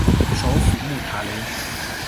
首府穆塔雷。